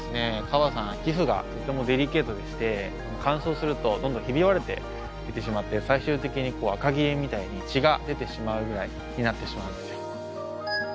カバさん皮膚がとてもデリケートでして乾燥するとどんどんひび割れてきてしまって最終的にあかぎれみたいに血が出てしまうぐらいになってしまうんですよ。